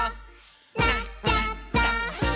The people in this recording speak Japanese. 「なっちゃった！」